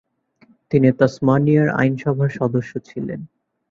তিনি তাসমানিয়ার আইনসভার সদস্য ছিলেন।